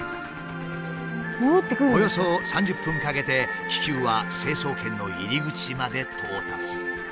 およそ３０分かけて気球は成層圏の入り口まで到達。